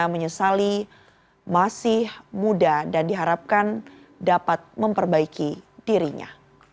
menyesali masih muda dan diharapkan dapat memperbaiki dirinya